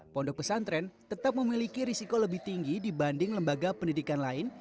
pondok pesantren tetap memiliki risiko lebih tinggi dibanding lembaga pendidikan lain